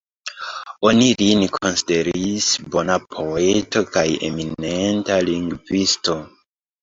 Oni lin konsideris bona poeto kaj eminenta lingvisto.